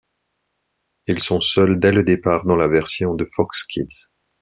Ils sont seuls dès le départ dans la version de Fox Kids.